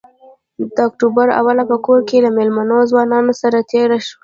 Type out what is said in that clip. د اکتوبر اوله په کور له مېلمنو ځوانانو سره تېره شوه.